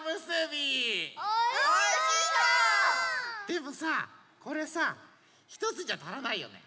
でもさこれさひとつじゃたらないよね。